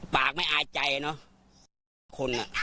ปากไม่อายใจเนอะคนอ่ะ